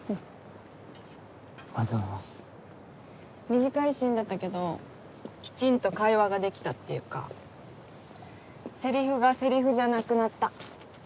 短いシーンだったけどきちんと会話ができたっていうかセリフがセリフじゃなくなった。